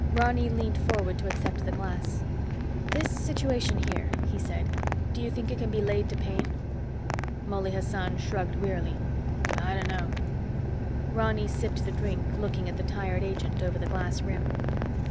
Ronny leaned forward to accept the glass. "This situation here," he said, "do you think it can be laid to Paine?" Mouley Hassan shrugged wearily. "I don't know." Ronny sipped the drink, looking at the tired agent over the glass rim.